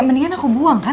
mendingan aku buang kan